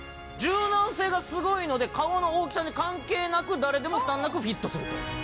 柔軟性がすごいので顔の大きさに関係なく誰でも負担なくフィットすると。